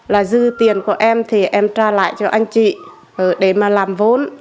là dư tiền của em thì em tra lại cho anh chị để mà làm vốn